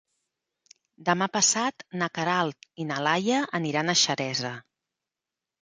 Demà passat na Queralt i na Laia aniran a Xeresa.